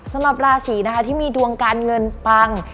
สำหรับราศีนะคะที่มีดวงการเงินปัง